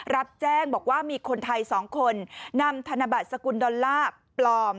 รับแจ้งบอกว่ามีคนไทย๒คนนำธนบัตรสกุลดอลลาร์ปลอม